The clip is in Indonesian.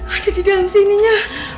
ada di dalam sininya